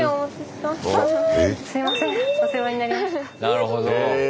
なるほど。へ。